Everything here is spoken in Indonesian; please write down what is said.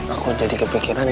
aku jadi kepikiran